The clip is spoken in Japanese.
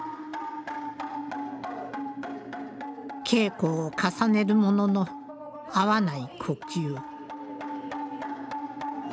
稽古を重ねるものの合わない呼吸。